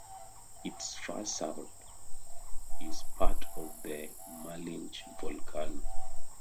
Its far south is part of the Malinche Volcano.